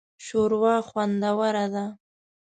شوروا خوندوره ده